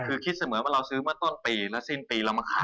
คือคิดเสมอว่าเราซื้อเมื่อต้นปีและสิ้นปีเรามาขาย